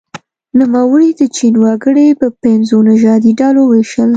نوموړي د چین وګړي په پنځو نژادي ډلو وویشل.